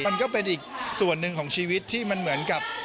มันก็เป็นอีกส่วนหนึ่งของชีวิตที่มันเหมือนกับ